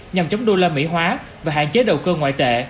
nhằm chống đô la mỹ hóa và hạn chế đầu cơ ngoại tệ